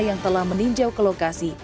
yang telah meninjau ke lokasi